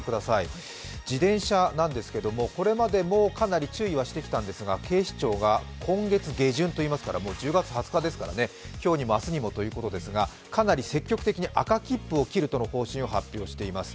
自転車なんですけれども、これまでもかなり注意をしてきたんですが警視庁が今月下旬、今日は１０月２０日ですから今日にも明日にもということですが、かなり積極的に赤切符を切るとの方針を発表しています。